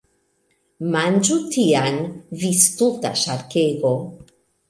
Manĝu tian! Vi stulta ŝarkego!